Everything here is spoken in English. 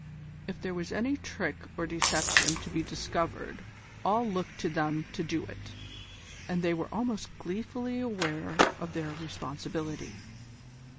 If there was any trick or deception to be discovered all looked to them to do it, and they were almost gleefully aware of their responsibility.